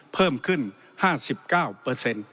เพิ่มขึ้น๕๙